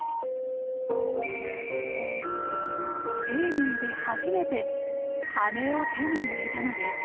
生命で初めて羽を手に入れたのです。